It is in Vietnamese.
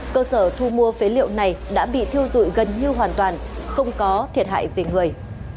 cơ sở thu mua phế liệu này đã bị thiêu dụi gần như hoàn toàn không có thiệt hại về người